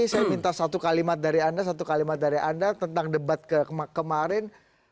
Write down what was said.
saya minta satu kalimat dari anda satu kalimat dari anda tentang debat kemarin